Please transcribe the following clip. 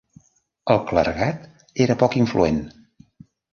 El clergat era poc influent.